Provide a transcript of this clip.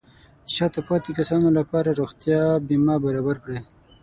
د شاته پاتې کسانو لپاره د روغتیا بیمه برابر کړئ.